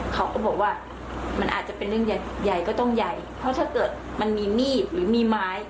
เขาก็บอกว่ามันอาจจะเป็นเรื่องใหญ่ใหญ่ก็ต้องใหญ่เพราะถ้าเกิดมันมีมีดหรือมีไม้